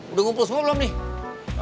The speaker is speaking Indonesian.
udah ngumpul semua belum nih